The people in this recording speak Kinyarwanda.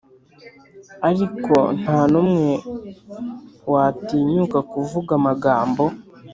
ariko ntanumwe watinyuka kuvuga amagambo .